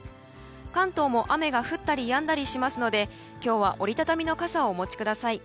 関東も雨が降ったりやんだりしますので今日は折り畳みの傘をお持ちください。